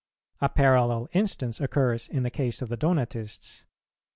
A parallel instance occurs in the case of the Donatists.